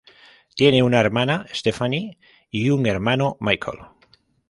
Tiene una hermana, Stefanie, y un hermano, Michael.